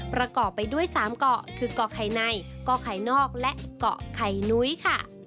ประกอบไปด้วย๓เกาะคือเกาะไข่ในเกาะไข่นอกและเกาะไข่นุ้ยค่ะ